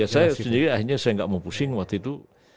sebenarnya saya tidak mau pusing waktu itu